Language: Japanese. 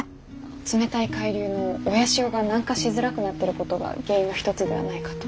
冷たい海流の親潮が南下しづらくなってることが原因の一つではないかと。